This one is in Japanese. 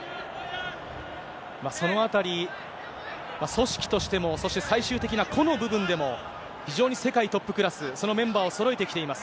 そのあたり、組織としても、そして最終的な個の部分でも、非常に世界トップクラス、そのメンバーをそろえてきています、